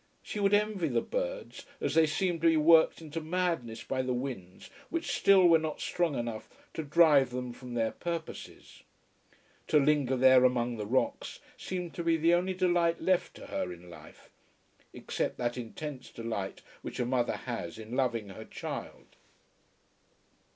She would envy the birds as they seemed to be worked into madness by the winds which still were not strong enough to drive them from their purposes. To linger there among the rocks seemed to be the only delight left to her in life, except that intense delight which a mother has in loving her child.